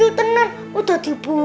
kwasian tenang rek bayinya ya